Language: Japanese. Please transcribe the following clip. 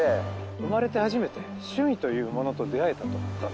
生まれて初めて趣味というものと出合えたと思ったんですよ。